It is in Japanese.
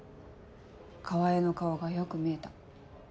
川合の顔がよく見えた。